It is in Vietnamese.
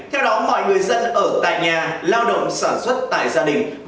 theo đó mọi người dân ở tại nhà lao động sản xuất tại gia đình